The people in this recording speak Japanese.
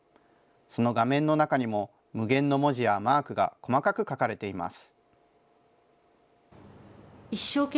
その画面の中にも、無限の文字やマークが細かく描かれています。